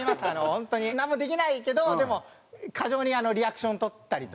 本当になんもできないけどでも過剰にリアクション取ったりとか。